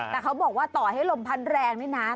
แต่เขาบอกว่าต่อให้ลมพัดแรงนี่นะ